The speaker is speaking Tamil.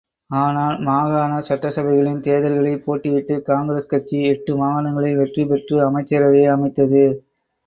ஆனால், மாகாண சட்டசபைகளின் தேர்தல்களில் போட்டியிட்டுக் காங்கிரஸ் கட்சி எட்டு மாகாணங்களில் வெற்றி பெற்று அமைச்சரவையை அமைத்தது.